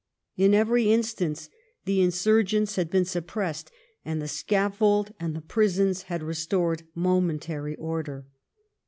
In every instance the insurgents had been suppressed, and the sctifFold and the prisons had restored momentary order.